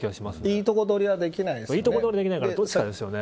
いいとこどりはできないですよね。